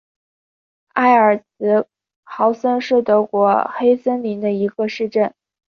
埃尔茨豪森是德国黑森州的一个市镇。